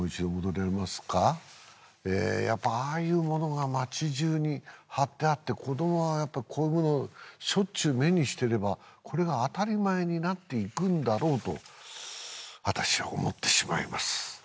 ええやっぱああいうものが町じゅうに貼ってあって子どもはやっぱこういうものをしょっちゅう目にしてればこれが当たり前になっていくんだろうと私は思ってしまいます